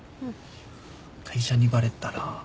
会社にバレたら。